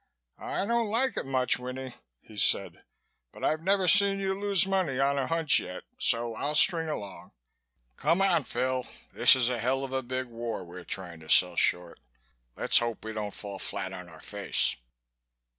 "I don't like it so much, Winnie," he said, "but I've never seen you lose money on a hunch yet so I'll string along. Come on, Phil, this is a hell of a big war we're trying to sell short. Let's hope we don't fall flat on our face."